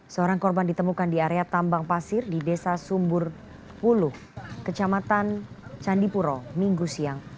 seorang korban ditemukan di area tambang pasir di desa sumbur hulu kecamatan candipuro minggu siang